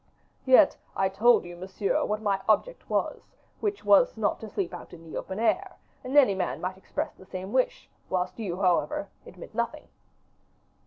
"Yet I told you, monsieur, what my object was; which was, not to sleep out in the open air, and any man might express the same wish, whilst you, however, admit nothing."